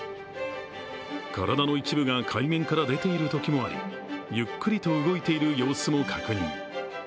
体の一部が海面から出ているときもありゆっくりと動いている様子も確認。